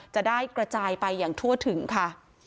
จะได้กระจายไปอย่างทั่วถึงค่ะ